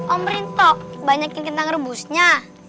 om rinto banyakin kentang rebusnya